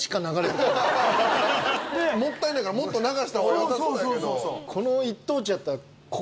もったいないからもっと流した方がよさそうやけど。